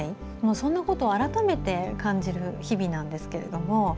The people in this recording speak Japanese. そんなことを改めて感じる日々なんですけれども。